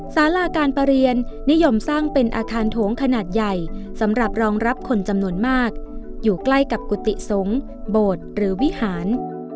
สาราการประเรียนนิยมสร้างเป็นอาคารโถงขนาดใหญ่สำหรับรองรับคนจำนวนมากอยู่ใกล้กับกุฏิสงฆ์โบสถ์หรือวิหาร